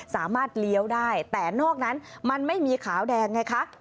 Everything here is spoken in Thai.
เลี้ยวได้แต่นอกนั้นมันไม่มีขาวแดงไงคะ